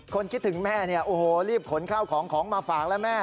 คิดถึงแม่เนี่ยโอ้โหรีบขนข้าวของของมาฝากแล้วแม่